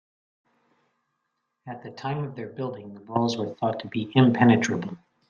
At the time of their building, the walls were thought to be impenetrable.